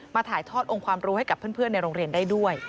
ถ่ายทอดองค์ความรู้ให้กับเพื่อนในโรงเรียนได้ด้วย